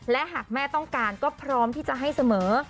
และหากแม่ต้องการก็พร้อมที่จะให้เสมอ